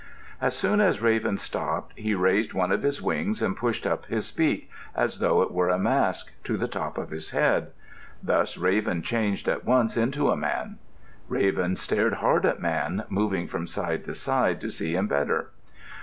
As soon as Raven stopped, he raised one of his wings and pushed up his beak, as though it were a mask, to the top of his head. Thus Raven changed at once into a man. Raven stared hard at Man, moving from side to side to see him better.